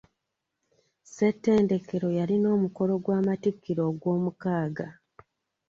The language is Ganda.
Ssettendekero yalina omukolo gw'amattikira ogw'omukaaga.